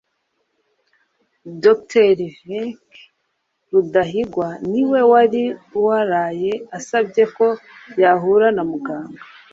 Dr Vinck. Rudahigwa ni we wari waraye asabye ko yahura na muganga.